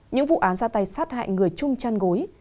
những vụ án ra tay sát hại người chung chăn gối